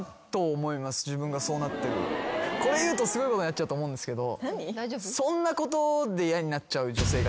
これ言うとすごいことになっちゃうと思うんですけど。